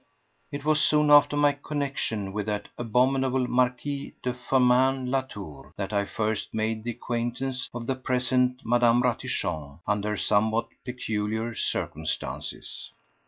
It was soon after my connexion with that abominable Marquis de Firmin Latour that I first made the acquaintance of the present Mme. Ratichon, under somewhat peculiar circumstances.